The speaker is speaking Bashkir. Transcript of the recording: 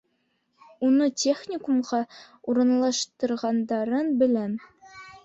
Уны техникумға урынлаштырғандарын беләм.